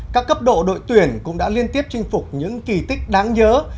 các cấp độ đội tuyển cũng đã liên tiếp chinh phục những kỳ tích đáng nhớ